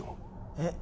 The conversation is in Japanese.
えっ？